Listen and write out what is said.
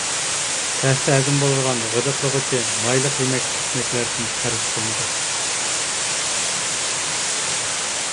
تەستە ھەزىم بولىدىغان، غىدىقلىغۇچى، مايلىق يېمەك-ئىچمەكلەردىن پەرھىز قىلىنىدۇ.